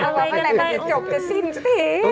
เอาไว้ได้จบจะสิ้นจริง